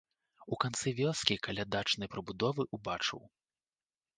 У канцы вёскі каля дачнай прыбудовы убачыў.